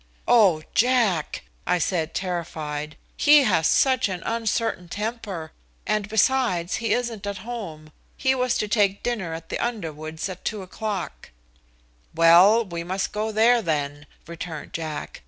"Oh, Jack," I said terrified, "he has such an uncertain temper, and, besides, he isn't at home. He was to take dinner at the Underwoods at 2 o'clock." "Well, we must go there, then," returned Jack.